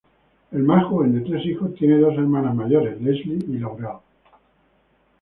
El más joven de tres hijos, tiene dos hermanas mayores, Leslie y Laurel.